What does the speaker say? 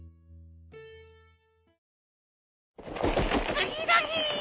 つぎのひ！